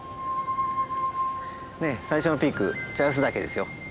最初のピーク茶臼岳ですよ。